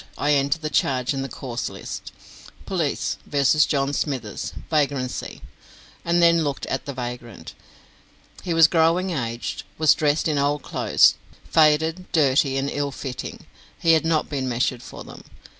I entered the charge in the cause list, "Police v. John Smithers, vagrancy," and then looked at the vagrant. He was growing aged, was dressed in old clothes, faded, dirty, and ill fitting; he had not been measured for them.